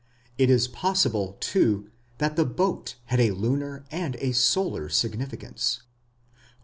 It is possible, too, that the boat had a lunar and a solar significance.